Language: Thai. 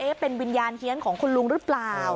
เป็นวิญญาณเฮียนของคุณลุงหรือเปล่า